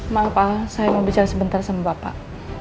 maaf pak saya mau bicara sebentar sama bapak